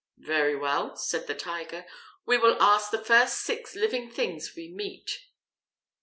"Very well," said the Tiger, "we will ask the first six living things we meet."